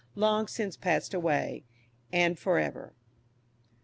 long since passed away and for ever.